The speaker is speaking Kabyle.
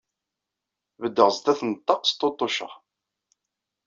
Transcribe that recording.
Beddeɣ sdat n ṭṭaq Sṭuṭuceɣ.